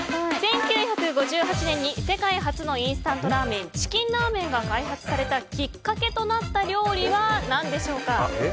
１９５８年に世界初のインスタントラーメンチキンラーメンが開発されたきっかけとなった料理は何でしょうか。